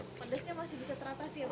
pedasnya masih bisa teratasi ya pak